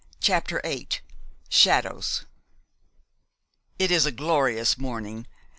CHAPTER VIII SHADOWS "It is a glorious morning.